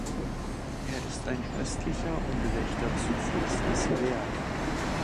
Er ist ein östlicher und rechter Zufluss des Vair.